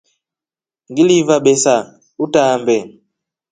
Ngiliiva besa utaambe.